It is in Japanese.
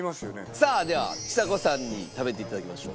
さあではちさ子さんに食べて頂きましょう。